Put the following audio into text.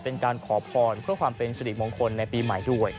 เป็นการขอพรเพื่อความเป็นสิริมงคลในปีใหม่ด้วย